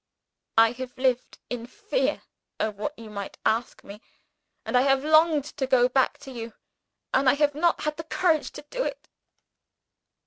I have lived in fear of what you might ask me and have longed to go back to you and have not had the courage to do it.